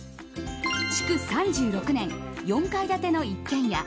築３６年、４階建ての一軒家。